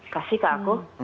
kasih ke aku